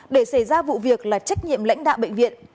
để xảy ra vụ việc là trách nhiệm lãnh đạo bệnh viện